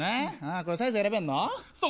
これサイズ選べるの。